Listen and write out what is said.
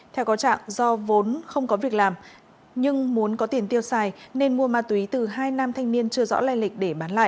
theo có trạng do vốn không có việc làm nhưng muốn có tiền tiêu xài nên mua ma túy từ hai nam thanh niên chưa rõ lây lịch để bán lại